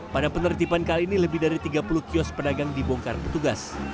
pada penertiban kali ini lebih dari tiga puluh kios pedagang dibongkar petugas